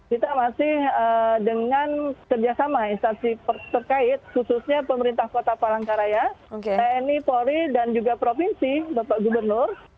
kita masih dengan kerjasama instansi terkait khususnya pemerintah kota palangkaraya tni polri dan juga provinsi bapak gubernur